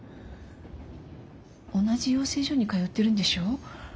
同じ養成所に通ってるんでしょ？